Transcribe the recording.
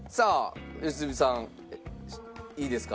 良純さんいいですか？